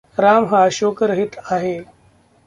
राम हा शोकरहित आहे.